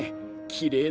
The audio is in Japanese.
きれいだ。